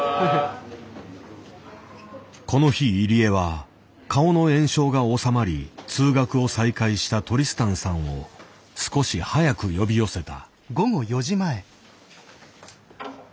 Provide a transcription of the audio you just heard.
この日入江は顔の炎症が治まり通学を再開したトリスタンさんを少し早く呼び寄せた。